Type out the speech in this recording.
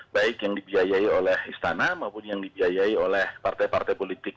baik yang dibiayai oleh istana maupun yang dibiayai oleh partai partai politik